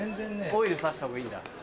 オイル差した方がいいんだ。